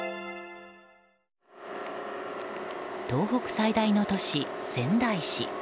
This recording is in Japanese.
東北最大の都市、仙台市。